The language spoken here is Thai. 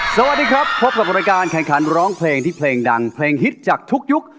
สวัสดีครับพบกับรายการแข่งขันร้องเพลงที่เพลงดังเพลงฮิตจากทุกยุค